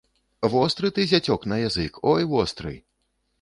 Востры ты, зяцёк, на язык, ой востры!